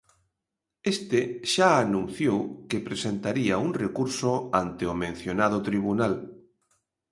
Este xa anunciou que presentaría un recurso ante o mencionado tribunal.